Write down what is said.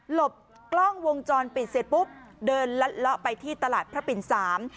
บกล้องวงจรปิดเสร็จปุ๊บเดินลัดเลาะไปที่ตลาดพระปิ่นสาม